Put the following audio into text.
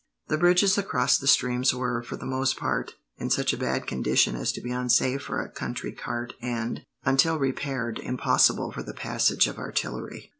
The bridges across the streams were, for the most part, in such a bad condition as to be unsafe for a country cart and, until repaired, impossible for the passage of artillery.